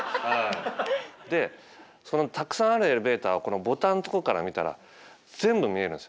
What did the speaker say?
でそのたくさんあるエレベーターをこのボタンの所から見たら全部見えるんです。